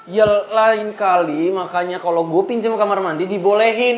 ya lain kali makanya kalo gue pinjem ke kamar mandi dibolehin